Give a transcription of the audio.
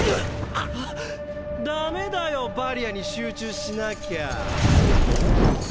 ダメだよバリアに集中しなきゃあ。